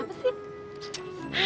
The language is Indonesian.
sama siapa sih